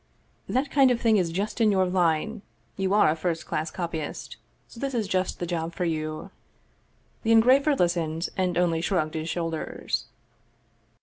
That kind of thing is just in your line ; you are a first class copy ist, so this is just the job for you." The engraver listened, and only shrugged his shoulders.